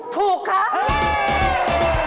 ถูกครับ